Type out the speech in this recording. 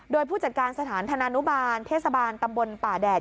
โดยผู้จัดการสถานธนานุบาลเทศบาลตำบลป่าแดด